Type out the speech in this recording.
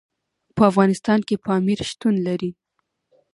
په افغانستان کې پامیر شتون لري.